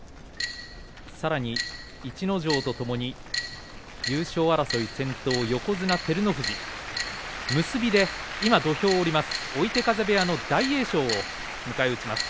さらに逸ノ城とともに優勝争い先頭、横綱照ノ富士結びで今、土俵を下りた追手風部屋の大栄翔を迎え撃ちます。